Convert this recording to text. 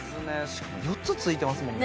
しかも４つ付いてますもんね